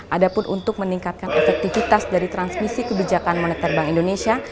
ada pun untuk meningkatkan efektivitas dari transmisi kebijakan moneter bank indonesia